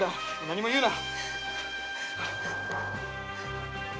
何も言うな。